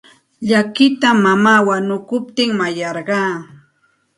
Llakita mamaa wanukuptin mayarqaa.